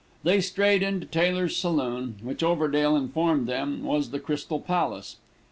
They strayed into Taylor's saloon, which Overdale informed them was the Crystal Palace.